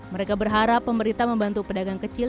mereka berharap pemerintah membantu pedagang kecil